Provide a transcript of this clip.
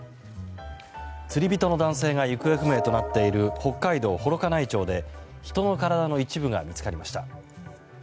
釣り人の男性が行方不明となっている北海道幌加内町で人の体の一部が見つかりました。